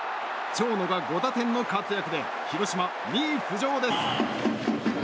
長野が５打点の活躍で広島、２位浮上です。